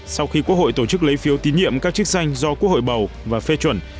sau khi quốc hội tổ chức lấy phiếu tín nhiệm các chức danh do quốc hội bầu và phê chuẩn